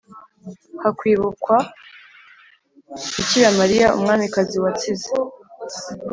hakwibukwa bikira mariya umwamikazi watsize,